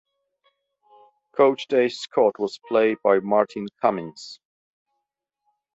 Coach Dave Scott was played by Martin Cummins.